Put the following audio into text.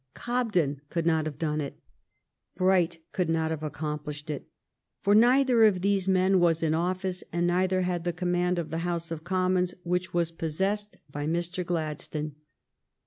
Cobden could not have done it, Bright could not have accomplished it. For neither of these men was in office, and neither had the command of the House of Commons which was possessed by Mr. Gladstone.